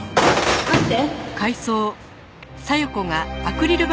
待って。